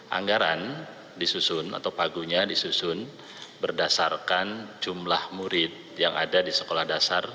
anggaran disusun atau pagunya disusun berdasarkan jumlah murid yang ada di sekolah dasar